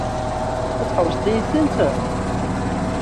Ad tḥewwseḍ yid-sent?